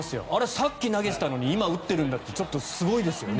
さっき投げてたのに今、打ってるんだってちょっとすごいですよね。